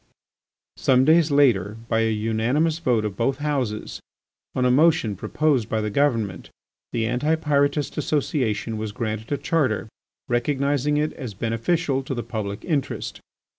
_" Some days later by a unanimous vote of both Houses, on a motion proposed by the Government, the Anti Pyrotist Association was granted a charter recognising it as beneficial to the public interest.